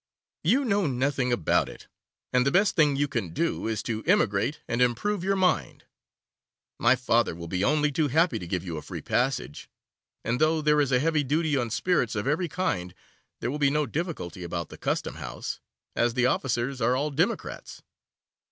'You know nothing about it, and the best thing you can do is to emigrate and improve your mind. My father will be only too happy to give you a free passage, and though there is a heavy duty on spirits of every kind, there will be no difficulty about the Custom House, as the officers are all Democrats.